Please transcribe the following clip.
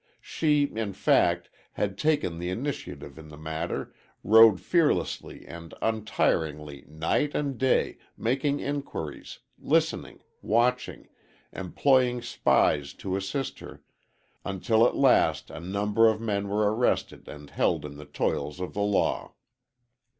She, in fact, had taken the initiative in the matter, rode fearlessly and untiringly night and day making inquiries, listening, watching, employing spies to assist her, until at last a number of men were arrested and held in the toils of the law.